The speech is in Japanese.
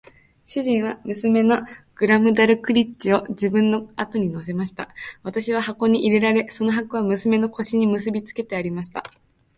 主人は娘のグラムダルクリッチを自分の後に乗せました。私は箱に入れられ、その箱は娘の腰に結びつけてありました。